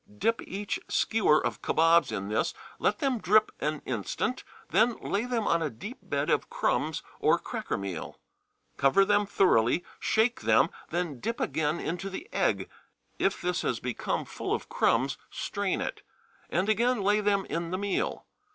Dip each skewer of kabobs in this; let them drip an instant, then lay them on a deep bed of crumbs or cracker meal. Cover them thoroughly, shake them, then dip again into the egg (if this has become full of crumbs strain it), and again lay them in the meal.